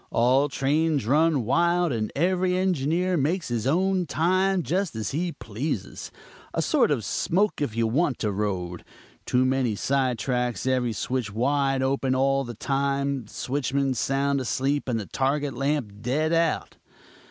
All trains run wild and every engineer makes his own time, just as he pleases. A sort of 'smoke if you want to' road. Too many side tracks; every switch wide open all the time, switchman sound asleep and the target lamp dead out.